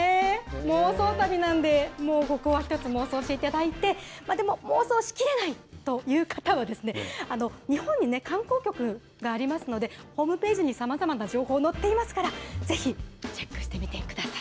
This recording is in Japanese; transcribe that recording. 妄想旅なんで、もうここは一つ、妄想していただいて、でも、妄想しきれないという方は、日本に観光局がありますので、ホームページにさまざまな情報載っていますから、ぜひチェックしてみてください。